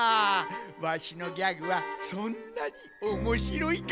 わしのギャグはそんなにおもしろいか？